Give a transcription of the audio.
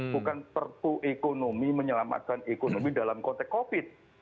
bukan perpu ekonomi menyelamatkan ekonomi dalam konteks covid